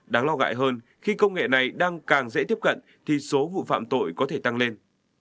đáng lo gại hơn khi công nghệ này đang càng dễ tiếp cận thì số vụ phạm tội có thể tăng lên